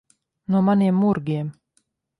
No maniem murgiem.